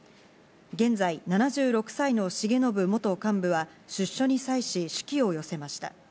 現在７６歳の重信元幹部は、出所に際し手記を寄せました。